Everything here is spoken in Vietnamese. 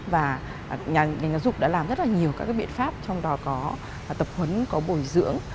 và nhà giáo dục đã làm rất là nhiều các biện pháp trong đó có tập huấn có bồi dưỡng